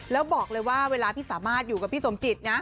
แล้วบอกเลยว่าเวลาพี่สามารถอยู่กับพี่สมจิตนะ